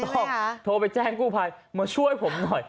โทรไปแจ้งกู้ภัยมาช่วยผมหน่อย